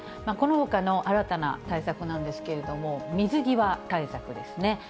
このほかの新たな対策なんですけれども、水際対策ですね。